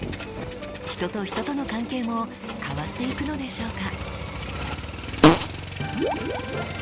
人と人との関係も変わっていくのでしょうか？